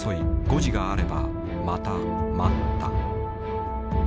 誤字があればまた待った。